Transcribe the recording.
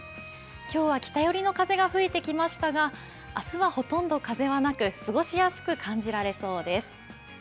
今日は北寄りの風が吹いてきましたが、明日はほとんどなく、過ごしやすく感じられそうです。